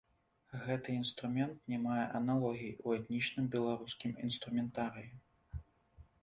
Гэты інструмент не мае аналогій у этнічным беларускім інструментарыі.